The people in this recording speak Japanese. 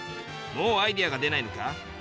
もうアイデアが出ないのか？